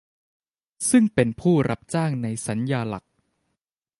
ซึ่งเป็นผู้รับจ้างในสัญญาหลัก